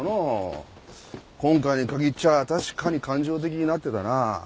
今回に限っちゃあ確かに感情的になってたな。